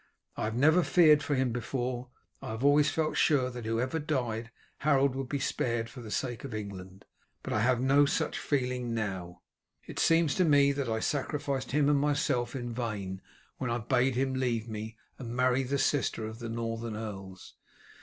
I have never feared for him before. I have always felt sure that whoever died Harold would be spared for the sake of England, but I have no such feeling now. It seems to me that I sacrificed him and myself in vain when I bade him leave me and marry the sister of the Northern earls.